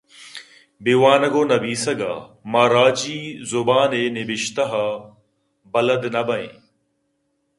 * بے وانگ ءُ نبیسّگ ءَ ما راجی زبان ءِ نبشتہ بَلد نہ بَہ ایں۔